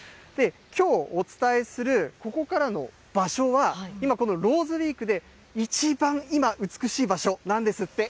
きょう、お伝えするここからの場所は、今、このローズウィークで一番今、美しい場所なんですって。